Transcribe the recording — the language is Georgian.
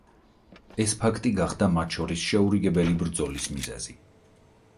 ეს ფაქტი გახდა მათ შორის შეურიგებელი ბრძოლის მიზეზი.